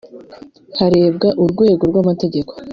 harebwa urwego rw’amategeko